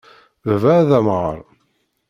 Baba ad amɣar.